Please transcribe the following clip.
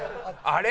「あれ？」